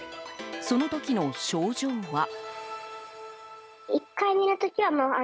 その時の症状は。